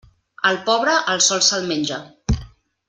Al pobre, el sol se'l menja.